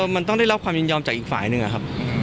มันต้องได้รับความยินยอมจากอีกฝ่ายหนึ่งอะครับ